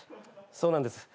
そうなんです。